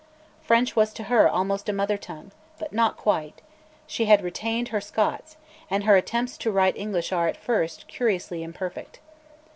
French was to her almost a mother tongue, but not quite; she had retained her Scots, and her attempts to write English are, at first, curiously imperfect.